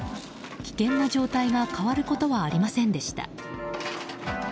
危険な状態が変わることはありませんでした。